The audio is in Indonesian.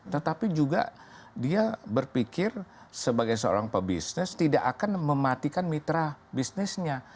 tetapi juga dia berpikir sebagai seorang pebisnis tidak akan mematikan mitra bisnisnya